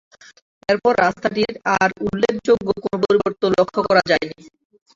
এরপর রাস্তাটির আর উল্লেখযোগ্য কোন পরিবর্তন লক্ষ্য করা যায়নি।